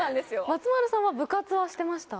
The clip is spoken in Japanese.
松丸さんは部活はしてました？